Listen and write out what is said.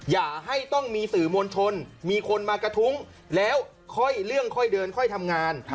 อย่าให้ต้องมีสื่อมวลชนมีคนมากระทุ้งแล้วค่อยเรื่องค่อยเดินค่อยทำงาน